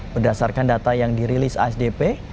berdasarkan data yang dirilis asdp